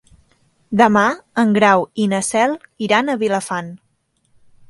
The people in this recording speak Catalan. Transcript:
Demà en Grau i na Cel iran a Vilafant.